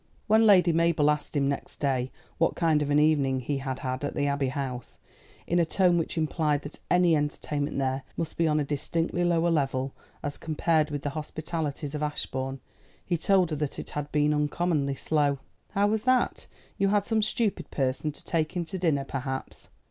When Lady Mabel asked him next day what kind of an evening he had had at the Abbey House, in a tone which implied that any entertainment there must be on a distinctly lower level as compared with the hospitalities of Ashbourne, he told her that it had been uncommonly slow. "How was that? You had some stupid person to take into dinner, perhaps?"